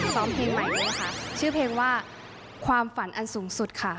เพลงใหม่ด้วยนะคะชื่อเพลงว่าความฝันอันสูงสุดค่ะ